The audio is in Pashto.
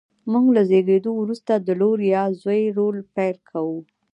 موږ له زېږېدو وروسته د لور یا زوی رول پیل کوو.